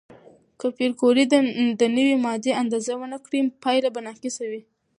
که پېیر کوري د نوې ماده اندازه ونه کړي، پایله به ناقصه وي.